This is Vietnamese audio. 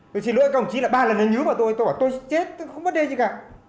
tôi xin lỗi cộng trí là ba lần nó nhớ vào tôi tôi bảo tôi chết không vấn đề gì cả